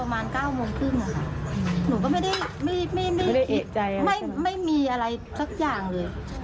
หนูก็ไม่ได้เอกใจไม่มีอะไรสักอย่างเลย